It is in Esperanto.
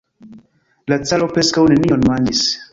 La caro preskaŭ nenion manĝis.